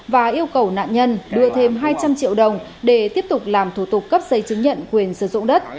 và yêu cầu nạn nhân đưa thêm hai trăm linh triệu đồng để tiếp tục làm thủ tục cấp giấy chứng nhận quyền sử dụng đất